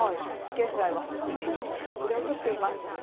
現在はほかの県に後れを取っています。